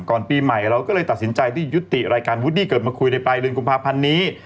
ปีใหม่เราก็เลยตัดสินใจที่ยุติรายการวูดดี้เกิดมาคุยในปลายเดือนกุมภาพันธ์นี้